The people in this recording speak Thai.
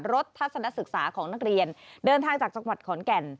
ทัศนศึกษาของนักเรียนเดินทางจากจังหวัดขอนแก่น